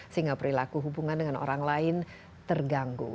sehingga perilaku hubungan dengan orang lain terganggu